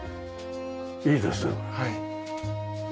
いいですねこれ。